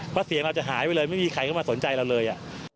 เพราะเสียงเราจะหายไปเลยไม่มีใครเข้ามาสนใจเราเลย